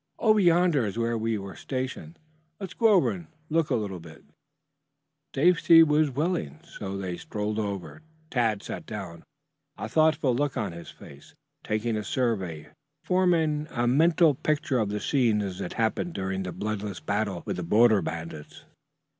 "Over yonder is where we were stationed. Let's go over and look about a little." Stacy was willing, so they strolled over. Tad sat down, a thoughtful look on his face, taking a survey, forming a mental picture of the scene as it had appeared during the bloodless battle with the border bandits.